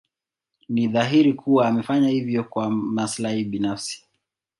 Ni dhahiri kuwa amefanya hivyo kwa maslahi binafsi.